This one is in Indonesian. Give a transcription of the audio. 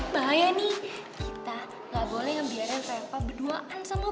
bahaya nih kita nggak boleh yang biarkan apa berduaan sama